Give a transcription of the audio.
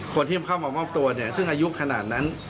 คนที่เข้ามามอบตัวเนี่ยซึ่งอายุขนาดนั้น